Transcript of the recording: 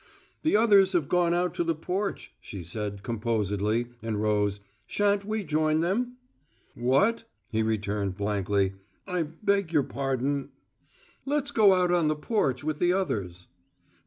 "The others have gone out to the porch," she said composedly, and rose. "Shan't we join them?" "What?" he returned, blankly. "I beg your pardon " "Let's go out on the porch with the others."